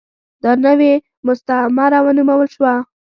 دا نوې مستعمره ونومول شوه.